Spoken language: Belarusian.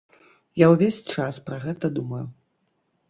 Я ўвесь час пра гэта думаю.